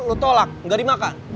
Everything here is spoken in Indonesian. lo tolak nggak dimakan